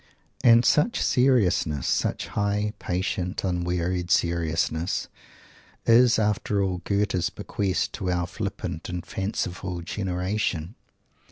And such "seriousness," such high, patient, unwearied seriousness, is, after all, Goethe's bequest to our flippant and fanciful generation.